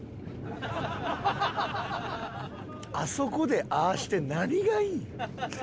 あそこでああして何がいいん？